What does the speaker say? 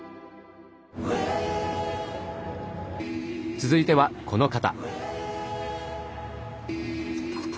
続いてはこの方。